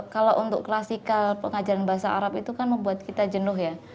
kalau untuk klasikal pengajaran bahasa arab itu kan membuat kita jenuh ya